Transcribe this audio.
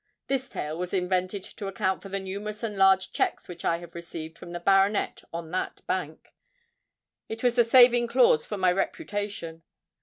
This tale was invented to account for the numerous and large cheques which I have received from the baronet on that bank:—it was the saving clause for my reputation.